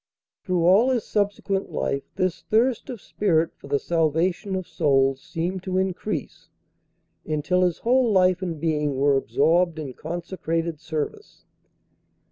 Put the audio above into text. Through all his subsequent life this thirst of spirit for the salvation of souls seemed to increase, until his whole life and being were absorbed in consecrated service.